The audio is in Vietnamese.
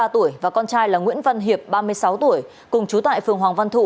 ba mươi tuổi và con trai là nguyễn văn hiệp ba mươi sáu tuổi cùng chú tại phường hoàng văn thụ